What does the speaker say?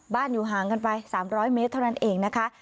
บ้านอยู่ห่างกันไปสามร้อยเมตรเท่านั้นเองนะคะ